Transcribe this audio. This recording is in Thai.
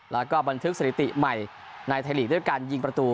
แล้วก็บันทึกสถิติใหม่ในไทยลีกด้วยการยิงประตู